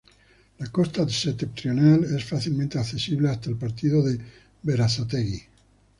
La costa septentrional es fácilmente accesible hasta el partido de Berazategui.